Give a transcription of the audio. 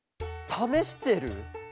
ためしてる？